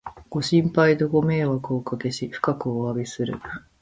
ご心配とご迷惑をおかけし、深くおわびする